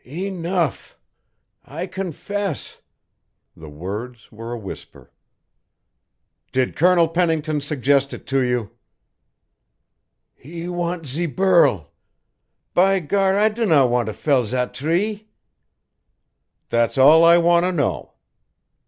Enough I confess!" The words were a whisper. "Did Colonel Pennington suggest it to you?" "He want ze burl. By gar, I do not want to fell zat tree " "That's all I want to know."